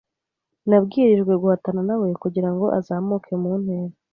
Nabwirijwe guhatana nawe kugirango azamuke mu ntera.